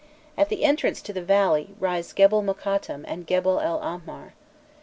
At the entrance to the valley, rise Gebel Mokattam and Gebel el Ahmar.